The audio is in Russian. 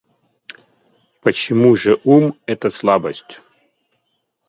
Почему же ум это слабость?